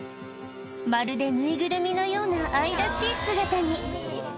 まるで縫いぐるみのような愛らしい姿に。